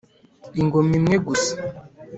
ingoma imwe gusa--